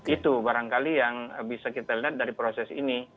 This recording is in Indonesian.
itu barangkali yang bisa kita lihat dari proses ini